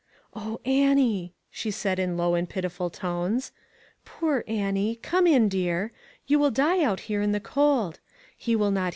" O Annie," she said in low and pityful tones, " poor Annie, come in, dear. You .will die out here in the cold. He will not 482 ONE COMMONPLACE DAY.